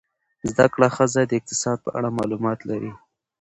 زده کړه ښځه د اقتصاد په اړه معلومات لري.